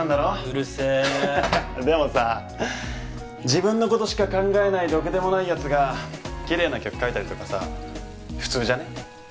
うるせえでもさ自分のことしか考えないろくでもないヤツがキレイな曲書いたりとかさ普通じゃね？